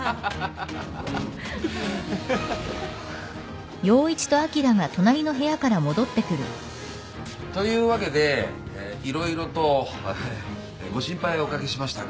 アハハ。というわけで色々とご心配をおかけしましたが。